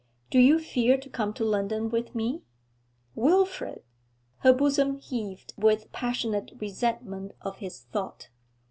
'Do you fear to come to London with me?' 'Wilfrid?' Her bosom heaved with passionate resentment of his thought.